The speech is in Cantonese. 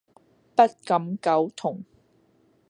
不敢苟同